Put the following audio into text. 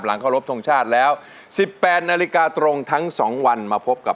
หลังเข้ารบทรงชาติแล้ว๑๘นาฬิกาตรงทั้งสองวันมาพบกับ